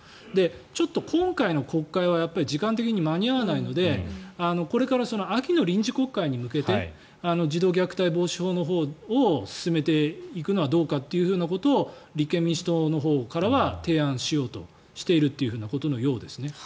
ちょっと今回の国会は時間的に間に合わないのでこれから秋の臨時国会に向けて児童虐待防止法のほうを進めていくのはどうかということを立憲民主党のほうからは提案しようとしているということのようですね。